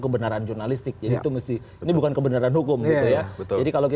bahwa partai ini berdiri tegak